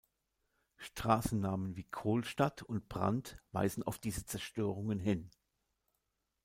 Straßennamen wie Kohlstatt und Brand weisen auf diese Zerstörungen hin.